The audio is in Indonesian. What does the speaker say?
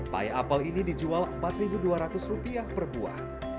pie apel ini dijual rp empat dua ratus per buah